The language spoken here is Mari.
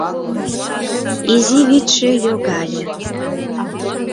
Изи вӱдшӧ йогале